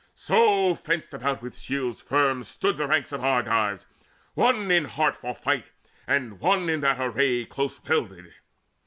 So fenced about with shields firm stood the ranks Of Argives, one in heart for fight, and one In that array close welded.